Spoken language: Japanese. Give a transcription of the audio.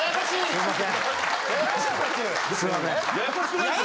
すいません。